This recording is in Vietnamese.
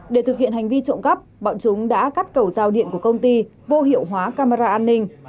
để thực hiện hành vi trộm cắp bọn chúng đã cắt cầu giao điện của công ty vô hiệu hóa camera an ninh